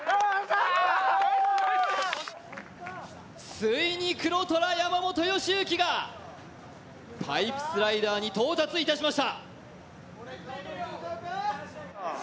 ついに黒虎・山本良幸がパイプスライダーに到達しました。